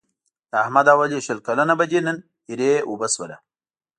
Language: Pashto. د احمد او علي شل کلنه بدي نن ایرې اوبه شوله.